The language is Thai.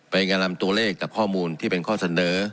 งานลำตัวเลขกับข้อมูลที่เป็นข้อเสนอ